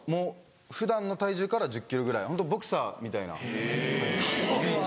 普段の体重から１０ｋｇぐらいホントボクサーみたいな感じ。